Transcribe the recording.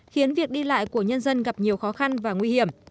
khiến việc đi lại của nhân dân gặp nhiều khó khăn và nguy hiểm